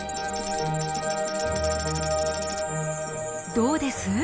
どうです？